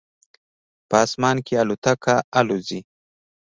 په اسمان کې الوتکه الوزي